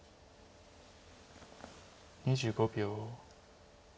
２５秒。